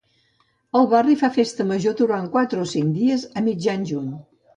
El barri fa festa major durant quatre o cinc dies a mitjan juny.